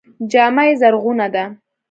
جامه یې زرغونه ده.